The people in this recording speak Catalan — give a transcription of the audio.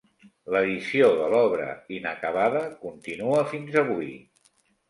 L'edició de l'obra inacabada continua fins avui.